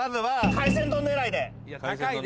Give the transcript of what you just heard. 海鮮丼狙いで。